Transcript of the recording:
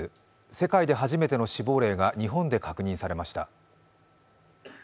世界で初の死亡例が日本で確認されました。